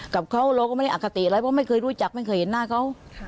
กับเขาเราก็ไม่ได้อคติอะไรเพราะไม่เคยรู้จักไม่เคยเห็นหน้าเขา